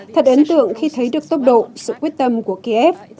thật ấn tượng khi thấy được tốc độ sự quyết tâm của kiev